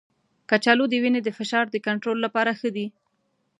کچالو د وینې د فشار د کنټرول لپاره ښه دی.